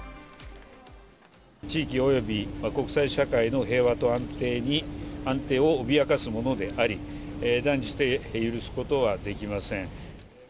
地域および国際社会の平和と安定を脅かすものであり、断じて許すことはできません。